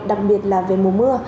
đặc biệt là về mùa mưa